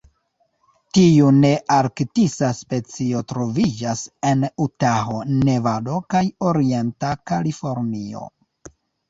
Tiu nearktisa specio troviĝas en Utaho, Nevado kaj orienta Kalifornio.